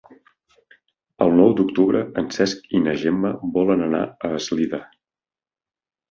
El nou d'octubre en Cesc i na Gemma volen anar a Eslida.